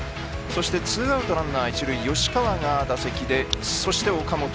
ツーアウトランナー、一塁吉川が打席でそして岡本。